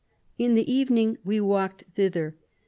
In the evening we walked thither.